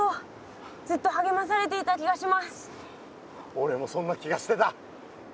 おれもそんな気がしてた。